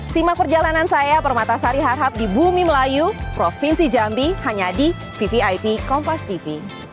simak perjalanan saya permatasari harhab di bumi melayu provinsi jambi hanya di vvip kompas tv